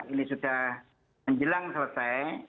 ini sudah menjelang selesai